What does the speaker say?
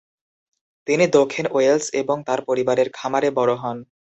তিনি দক্ষিণ ওয়েলস এবং তার পরিবারের খামারে বড় হন।